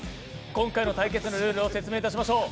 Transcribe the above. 今回の対決のルールを説明いたしましょう。